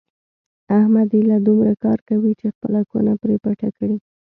احمد ایله دومره کار کوي چې خپله کونه پرې پټه کړي.